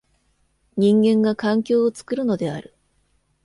人間が環境を作るのである。